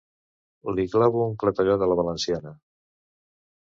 Li clavo un clatellot a la valenciana.